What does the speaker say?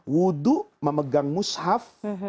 wudhu memegang mushaf